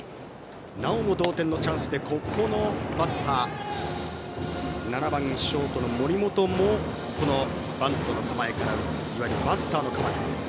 なおも同点のチャンスで７番、ショートの森本もバントの構えから打ついわゆるバスターの構え。